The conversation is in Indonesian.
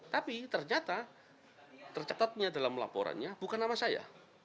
tapi ternyata tercatatnya dalam laporannya bukan nama saya